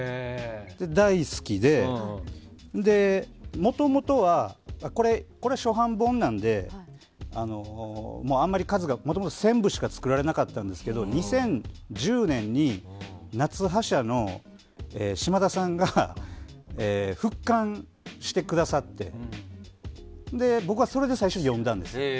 大好きでもともとはこれ、初版本なのでもともと１０００部しか作られなかったんですけど２０１０年に夏葉社の島田さんが復刊してくださって僕はそれで最初に読んだんです。